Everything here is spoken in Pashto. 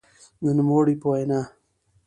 د نوموړي په وینا؛